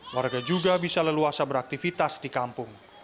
warga juga bisa leluasa beraktivitas di kampung